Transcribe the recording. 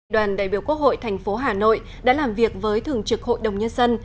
đoàn đại biểu quốc hội thành phố hà nội đã làm việc với thường trực hội đồng nhân dân